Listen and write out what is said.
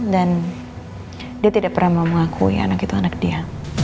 dan dia tidak pernah mau mengakui anak itu anak dia